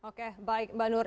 oke baik mbak nur